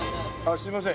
すいません。